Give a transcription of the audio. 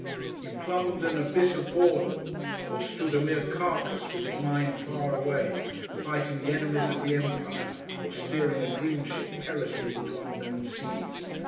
He plumbed an abyss of boredom, or stood a mere carcass, with his mind far away, fighting the enemies of the Empire, or steering a dream ship perilously into unknown seas.